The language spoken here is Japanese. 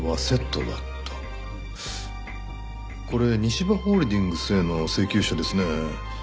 これ西葉ホールディングスへの請求書ですね。